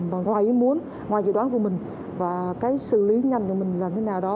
bằng ngoài ý muốn ngoài dự đoán của mình và cái xử lý nhanh của mình là thế nào đó